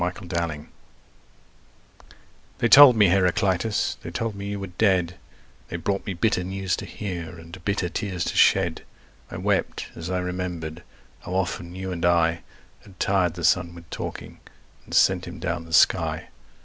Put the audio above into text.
Heraclitus THEY told me, Heraclitus, they told me you were dead, They brought me bitter news to hear and bitter tears to shed. I wept as I remember'd how often you and I Had tired the sun with talking and sent him down the sky.